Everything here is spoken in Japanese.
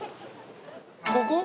ここ？